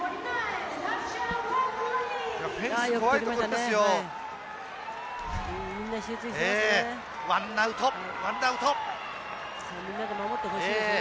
フェンス、怖いと思うんですよ。